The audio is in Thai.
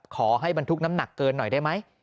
ขอให้บรรทุกน้ำหนักเกินหน่อยได้ไหม